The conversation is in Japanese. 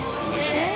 えっ？